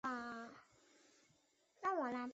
而北方政府则被幕后操纵的段祺瑞所控制。